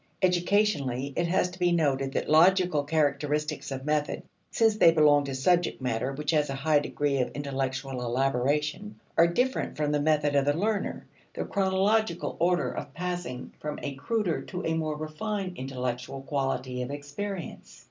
Educationally, it has to be noted that logical characteristics of method, since they belong to subject matter which has reached a high degree of intellectual elaboration, are different from the method of the learner the chronological order of passing from a cruder to a more refined intellectual quality of experience.